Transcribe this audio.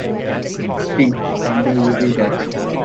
Think: one day you will die.